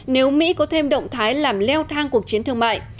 nếu mỹ có thêm động thái làm leo thang cuộc chiến thương mại